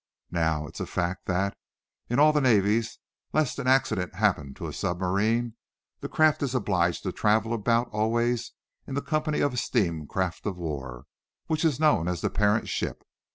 Now, it's a fact that, in all the navies, lest an accident happen to a submarine, that craft is obliged to travel about, always, in the company of a steam craft of war, which is known as the parent ship.